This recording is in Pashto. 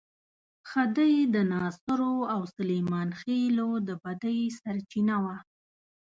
خدۍ د ناصرو او سلیمان خېلو د بدۍ سرچینه وه.